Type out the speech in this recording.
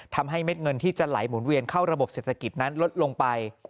เม็ดเงินที่จะไหลหมุนเวียนเข้าระบบเศรษฐกิจนั้นลดลงไป